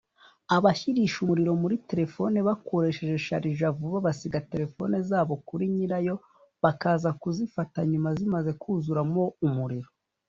Abashyirisha umuriro muri telefoni bakoresheje Sharja Vuba basiga telefoni zabo kuri nyirayo bakaza kuzifata nyuma zimaze kuzuramo umuriro